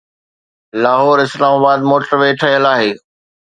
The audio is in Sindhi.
Lahore Islamabad motorway ٺهيل آهي.